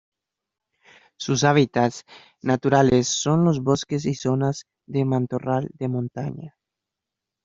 Sus hábitats naturales son los bosques y zonas de matorral de montaña.